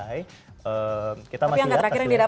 tapi angka terakhir yang didapat